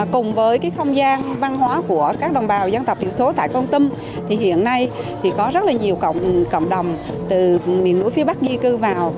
cùng với không gian văn hóa của các đồng bào dân tộc tiểu số tại con tum hiện nay có rất nhiều cộng đồng từ miền núi phía bắc di cư vào